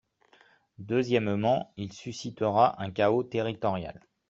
Deuxièmement, il suscitera un chaos territorial.